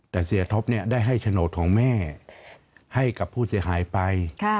แต่เสียท็อปได้ให้โฉนดของแม่ให้กับผู้เสียหายไป